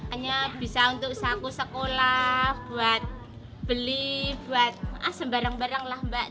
hanya bisa untuk usaha aku sekolah buat beli buat sembarang barang lah mbak